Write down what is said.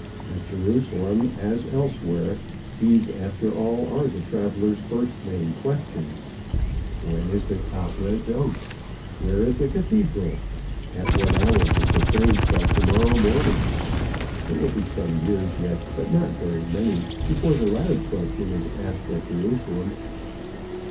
At Jerusalem, as elsewhere, these after all are the traveller's first main questions. When is the table d'hôte? Where is the cathedral? At what hour does the train start to morrow morning? It will be some years yet, but not very many, before the latter question is asked at Jerusalem.